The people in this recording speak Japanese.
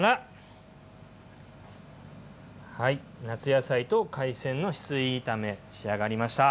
夏野菜と海鮮の翡翠炒め仕上がりました。